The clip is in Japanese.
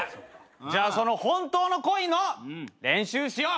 じゃあその本当の恋の練習しよう。